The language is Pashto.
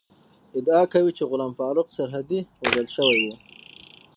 ادعا کوي چې غلام فاروق سرحدی وژل شوی ؤ